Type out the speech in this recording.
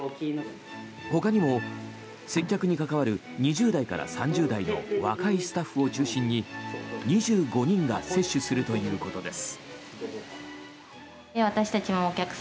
ほかにも接客に関わる２０代から３０代の若いスタッフを中心に２５人が接種するということです。